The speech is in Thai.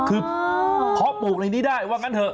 คือเพาะปลูกในนี้ได้ว่างั้นเถ